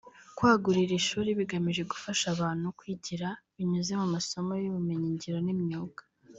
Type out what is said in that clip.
kwagura iri shuri bigamije gufasha abantu kwigira binyuze mu masomo y’ubumenyingiro n’imyuga